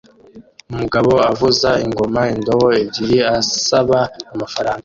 Umugabo avuza ingoma indobo ebyiri asaba amafaranga